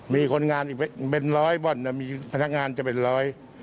มีคนงานอีกเป็นร้อยบ่อนมีพนักงานจะเป็นร้อย